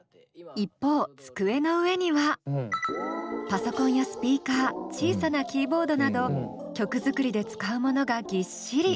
パソコンやスピーカー小さなキーボードなど曲作りで使うものがぎっしり。